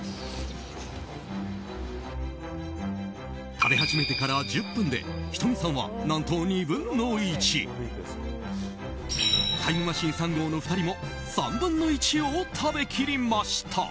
食べ始めてから１０分で仁美さんは何と２分の１タイムマシーン３号の２人も３分の１を食べ切りました。